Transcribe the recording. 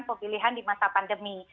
pemilihan di masa pandemi